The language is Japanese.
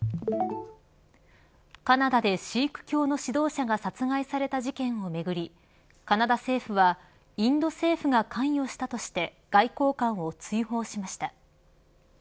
カナダでシーク教の指導者が殺害された事件をめぐりカナダ政府はインド政府が関与したとして外交官を追放しました。